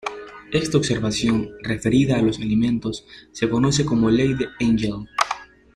Esta observación referida a los alimentos se conoce como ley de Engel.